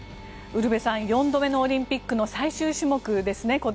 ウルヴェさん４度目のオリンピックの最終種目ですね。